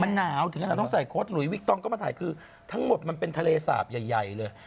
มันหนาวถึงขนาดต้องใส่โค้ดหลุยวิกตองก็มาถ่ายคือทั้งหมดมันเป็นทะเลสาบใหญ่เลย